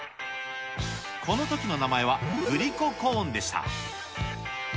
このときの名前は、グリココーンでした。